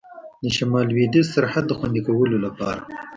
د شمال لوېدیځ سرحد د خوندي کولو لپاره.